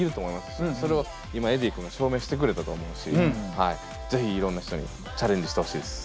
それを今ｅｄｈｉｉｉ君は証明してくれたと思うし是非いろんな人にチャレンジしてほしいです。